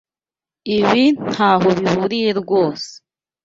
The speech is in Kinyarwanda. Ibi ntaho bihuriye rwose.